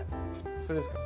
それですか？